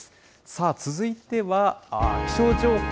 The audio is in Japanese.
さあ、続いては、気象情報。